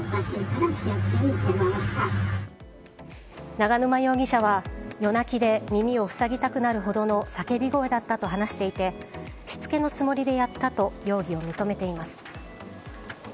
永沼容疑者は夜泣きで耳を塞ぎたくなるほどの叫び声だったと話していてしつけのつもりでやったと容疑を認めています。